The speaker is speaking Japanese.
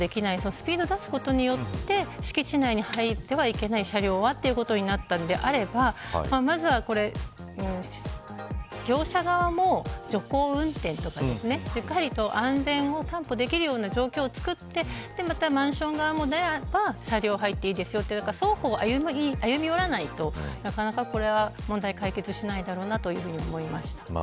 スピードを出すことで敷地内に入ってはいけない車両はということになったのであればまずは業者側も徐行運転とか、しっかりと安全を担保できるような状況を作ってまたマンション側もならば車両に入っていいですよと双方歩みよらないとなかなか問題は解決しないだろうなと思いました。